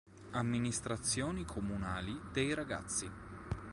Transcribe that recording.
Amministrazioni Comunali dei Ragazzi